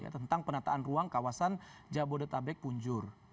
tentang penataan ruang kawasan jabodetabek punjur